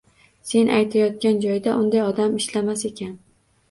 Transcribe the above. Sen aytayotgan joyda unday odam ishlamas ekan.